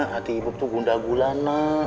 hati ibob tuh gunda gulana